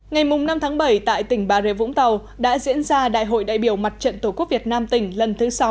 ngày năm tháng bảy tại tỉnh bà rịa vũng tàu đã diễn ra đại hội đại biểu mặt trận tổ quốc việt nam tỉnh lần thứ sáu